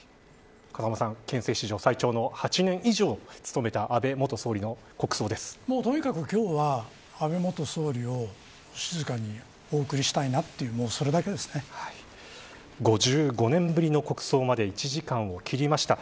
風間さん憲政史上最長の８年以上もとにかく今日は安倍元総理を静かにお送りしたいなと５５年ぶりの国葬まで１時間を切りました。